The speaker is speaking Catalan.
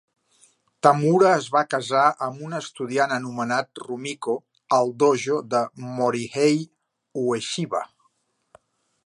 Tamura es va casar amb un estudiant anomenat Rumiko al dojo de Morihei Ueshiba.